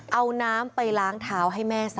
เอาน้ำไปล้างเท้าให้แม่ซะ